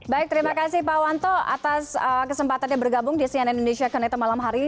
baik terima kasih pak wanto atas kesempatannya bergabung di cnn indonesia connected malam hari ini